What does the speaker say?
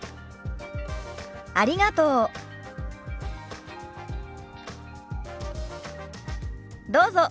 ありがとう。